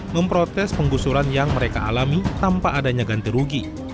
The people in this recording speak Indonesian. memprotes penggusuran yang mereka alami tanpa adanya ganti rugi